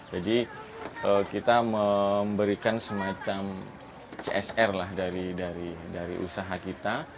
jadi kita memberikan semacam csr lah dari usaha kita